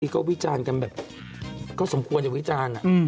ก็วิจารณ์กันแบบก็สมควรจะวิจารณ์